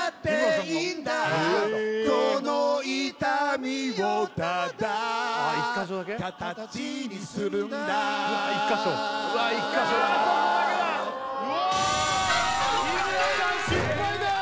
いや日村さん失敗です！